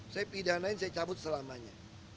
saya pidanain saya cabut selamanya